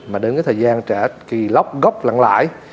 mà đến cái thời gian trả kỳ lóc gốc lặng lại